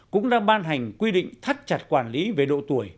cũng đã ban hành quy định thắt chặt quản lý về độ tuổi